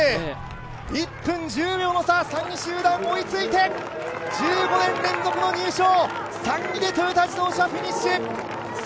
１分１０秒の差、３位集団に追いついて１５年連続の入賞、３位でトヨタ自動車フィニッシュ。